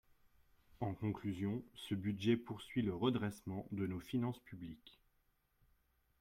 En conclusion, ce budget poursuit le redressement de nos finances publiques.